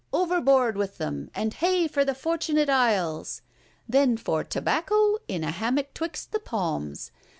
Overboard with them, and hey for the Fortunate Isles! Then for tobacco in a hammock 'twixt the palms!